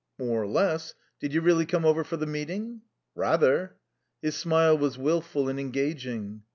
"More or less. Did you really come over for the meeting?" "Rather." His smile was wilful and engaging.